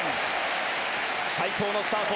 最高のスタート。